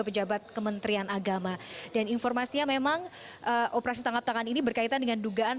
pejabat kementerian agama dan informasinya memang operasi tangkap tangan ini berkaitan dengan dugaan